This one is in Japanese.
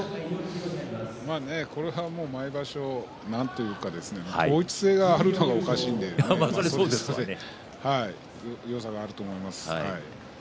まあね、これは毎場所なんというか統一性があるのがそれはそうですね。よさがあると思います。